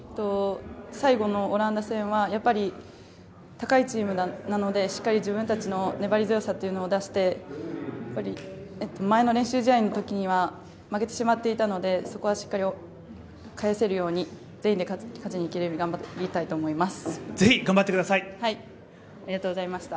最後のオランダ戦は高いチームなので、しっかり自分たちの粘り強さを出して前の練習試合のときには負けてしまっていたのでそこはしっかり返せるように全員に勝ちに行けるように頑張りたいと思います。